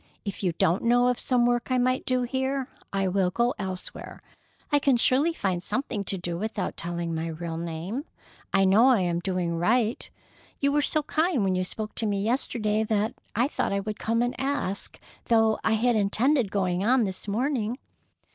If you don't know of some work I might do here, I will go elsewhere. I can surely find something to do without telling my real name. I know I am doing right. You were so kind when you spoke to me yesterday, that I thought I would come and ask though I had intended going on this morning."